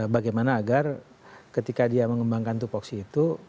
bagaimana agar ketika dia mengembangkan tupoksi itu